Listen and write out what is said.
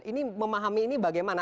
ini memahami ini bagaimana